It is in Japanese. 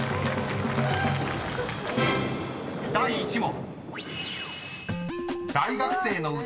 ［第１問］